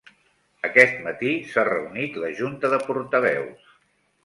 Aquest matí s'ha reunit la junta de portaveus